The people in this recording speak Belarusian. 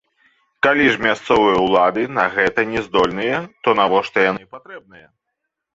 Калі ж мясцовыя ўлады на гэта не здольныя, то навошта яны патрэбныя?